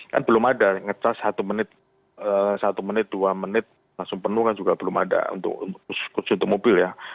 kan belum ada ngecas satu menit dua menit langsung penuh kan juga belum ada untuk mobil ya